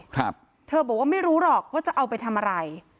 ครับเธอบอกว่าไม่รู้หรอกว่าจะเอาไปทำอะไร